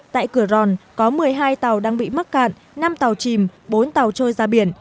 tại cửa ròn có một mươi hai tàu đang bị mắc cạn năm tàu chìm bốn tàu trôi ra biển